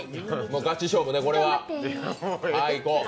ガチ勝負ね、これは。